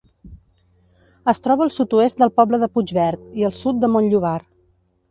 Es troba al sud-oest del poble de Puigverd, i al sud de Montllobar.